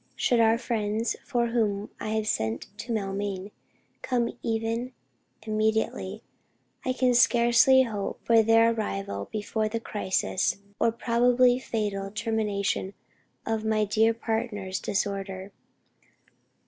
Should our friends for whom I have sent to Maulmain come even immediately, I can scarcely hope for their arrival before the crisis, or probably, fatal termination of my dear partner's disorder.